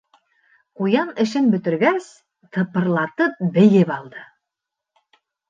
Ҡуян эшен бөтөргәс, тыпырлатып бейеп алды.